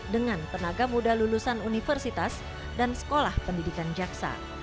dengan tenaga muda lulusan universitas dan sekolah pendidikan jaksa